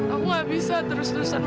aku gak bisa terus terusan